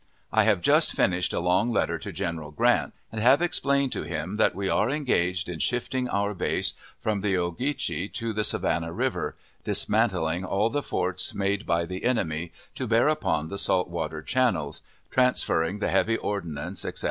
I have just finished a long letter to General Grant, and have explained to him that we are engaged in shifting our base from the Ogeeohee to the Savannah River, dismantling all the forts made by the enemy to bear upon the salt water channels, transferring the heavy ordnance, etc.